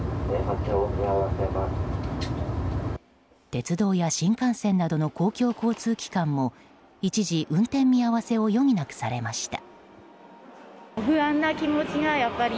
鉄道や新幹線などの公共交通機関も一時運転見合わせを余儀なくされました。